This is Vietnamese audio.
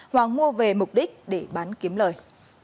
hoàng mua về mục đích để bán kiếm lời